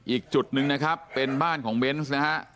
อีกจุดนึงนะครับเป็นบ้านของเบนซ